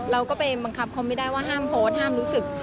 เราก็ไปบังคับเขาไม่ได้ว่าห้ามโพสต์ห้ามรู้สึก